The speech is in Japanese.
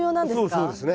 そうですね。